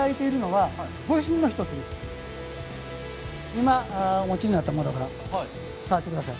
今お持ちになったものが触って下さい。